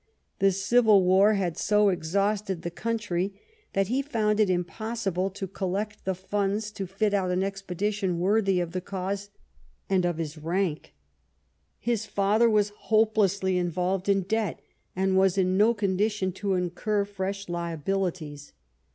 The civil war had so exhausted the Ill EDWARD AS A CRUSADER 49 country that he found it impossible to collect the funds to fit out an expedition worthy of the cause and of his rank. His father was hopelessly involved in debt, and was in no condition to incur fresh liabilities.